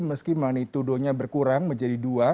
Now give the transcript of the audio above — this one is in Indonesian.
meski magnitudonya berkurang menjadi dua